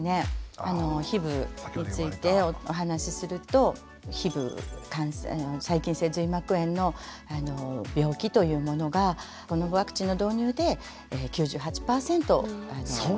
Ｈｉｂについてお話しするとＨｉｂ細菌性髄膜炎の病気というものがこのワクチンの導入で９８％。